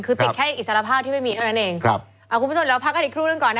คือติดแค่อิสรภาพที่ไม่มีเท่านั้นเองครับอ่าคุณผู้ชมเราพักกันอีกครูหนึ่งก่อนนะ